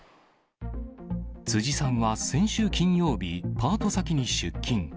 辻さんは先週金曜日、パート先に出勤。